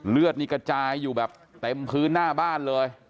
เลือดนี่กระจายอยู่แบบเต็มพื้นหน้าบ้านเลย